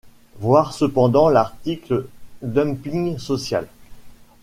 Voir cependant l'article Dumping social.